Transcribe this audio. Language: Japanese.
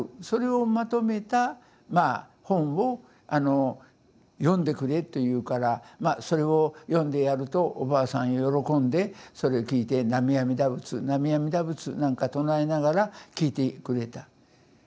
それをまとめたまあ本を読んでくれと言うからそれを読んでやるとおばあさんは喜んでそれ聞いて「南無阿弥陀仏南無阿弥陀仏」なんか唱えながら聞いてくれた。